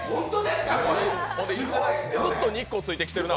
ずっと日光ついてきてるな。